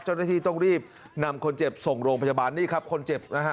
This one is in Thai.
เจ้าหน้าที่ต้องรีบนำคนเจ็บส่งโรงพยาบาลนี่ครับคนเจ็บนะฮะ